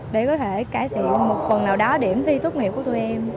để có thể cải thiện một phần nào đó điểm thi tốt nghiệp của tụi em